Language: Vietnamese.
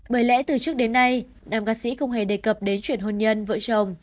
bởi lẽ từ trước đến nay đàm ca sĩ không hề đề cập đến chuyện hôn nhân vợ chồng